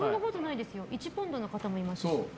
１ポンドの方もいましたよ。